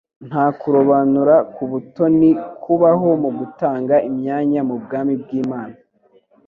Nta kurobanura ku butoni kubaho mu gutanga imyanya mu bwami bw'Imana.